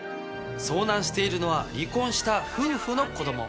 遭難しているのは離婚した夫婦の子供。